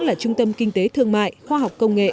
là trung tâm kinh tế thương mại khoa học công nghệ